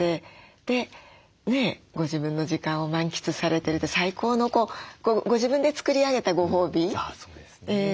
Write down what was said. でご自分の時間を満喫されてるって最高のご自分で作り上げたご褒美だなと思って。